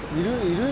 いる？